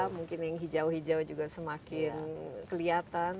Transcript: mungkin yang hijau hijau juga semakin kelihatan